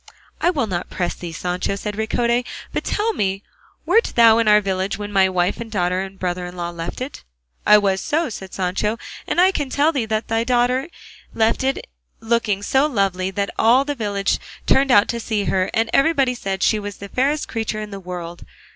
"I will not press thee, Sancho," said Ricote; "but tell me, wert thou in our village when my wife and daughter and brother in law left it?" "I was so," said Sancho; "and I can tell thee thy daughter left it looking so lovely that all the village turned out to see her, and everybody said she was the fairest creature in the world.